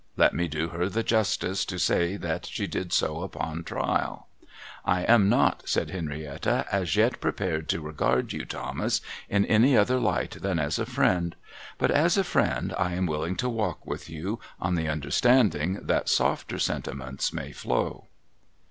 Let me do her the justice to say that she did so upon trial. ' I am not,' said Henrietta, ' as yet prepared to regard you, Thomas, in any other light than as a friend ; but as a friend I am willing to walk with you, on the understanding that softer sentiments may flow.'